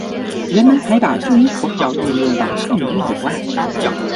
人们还把注音符号运用到汉语以外。